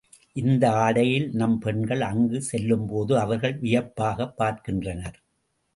இந்த ஆடையில் நம் பெண்கள் அங்குச் செல்லும்போது அவர்கள் வியப்பாகப் பார்க்கின்றனர்.